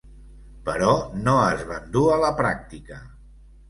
Però no es van dur a la pràctica.